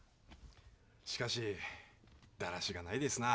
しかしだらしがないですな